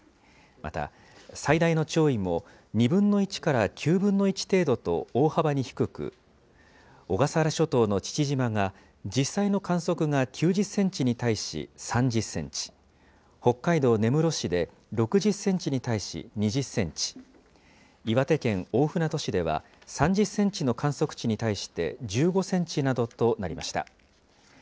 また、最大の潮位も２分の１から９分の１程度と大幅に低く、小笠原諸島の父島が実際の観測が９０センチに対し３０センチ、北海道根室市で６０センチに対し２０センチ、岩手県大船渡市では３０センチの観測値に対して１５センチなどとなりました。